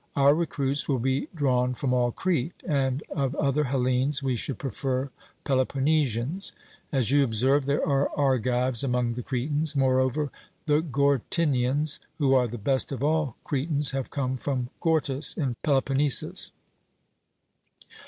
'Our recruits will be drawn from all Crete, and of other Hellenes we should prefer Peloponnesians. As you observe, there are Argives among the Cretans; moreover the Gortynians, who are the best of all Cretans, have come from Gortys in Peloponnesus.'